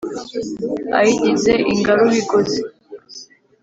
Ayigize ingaru Bigozi